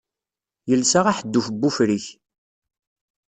Yelsa aḥedduf n wufrik.